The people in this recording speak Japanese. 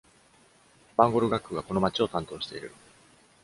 バンゴル学区がこの町を担当している。